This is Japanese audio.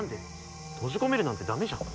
閉じ込めるなんてダメじゃん。